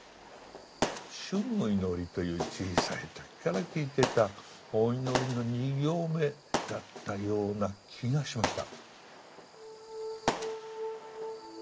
「主の祈り」という小さい時から聞いてたお祈りの２行目だったような気がしました。